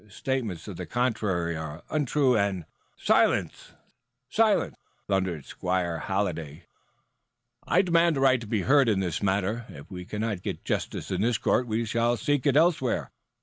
Statements to the contrary are untrue, and " "Silence!" thundered Squire Halliday. "I demand the right to be heard in this matter. If we cannot get justice in this court we shall seek it elsewhere.